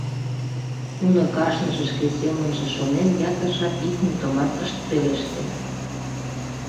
Нуно, кажныже шке семынже шонен, ятыр жап ик мутымат ышт пелеште.